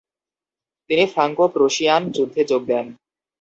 তিনি ফ্রাঙ্কো-প্রুশিয়ান যুদ্ধে যোগ দেন।